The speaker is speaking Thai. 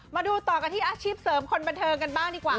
มาดูต่อกันที่อาชีพเสริมคนบันเทิงกันบ้างดีกว่า